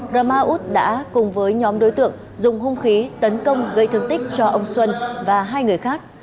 rá ma út đã cùng với nhóm đối tượng dùng hung khí tấn công gây thương tích cho ông xuân và hai người khác